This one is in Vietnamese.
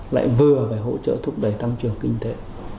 lại vừa phải hỗ trợ thúc đẩy tăng trưởng kinh tế